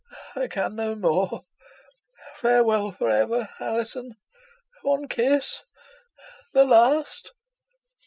I can no more. Farewell for ever, Alizon one kiss the last."